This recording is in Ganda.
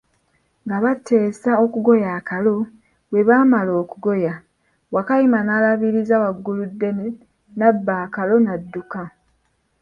Nga bateesa okugoya akalo, bwebaamala okugoya, Wakayima naalabiriza Wagguluddene nabba akalo nadduka.